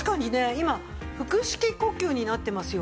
今腹式呼吸になってますよ。